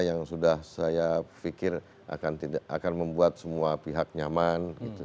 yang sudah saya pikir akan membuat semua pihak nyaman